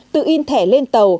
tự in thẻ lên tàu